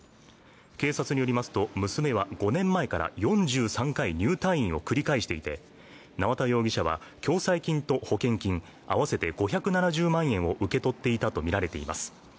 警察によりますと、娘は５年前から４３回入退院を繰り返していて、縄田容疑者は、共済金と保険金あわせて５７０万円を受け取っていたとみられています。